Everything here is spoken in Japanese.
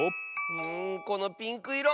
うんこのピンクいろ